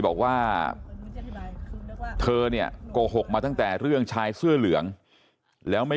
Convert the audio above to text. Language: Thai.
บอกว่าเธอเนี่ยโกหกมาตั้งแต่เรื่องชายเสื้อเหลืองแล้วไม่